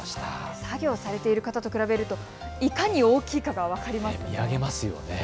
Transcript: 作業されている方と比べるといかに大きいかが分かりますね。